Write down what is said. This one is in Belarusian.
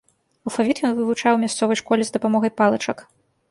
Алфавіт ён вывучаў у мясцовай школе з дапамогай палачак.